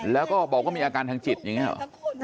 แล้วก็บอกว่ามีอาการทางจิตอย่างนี้หรอ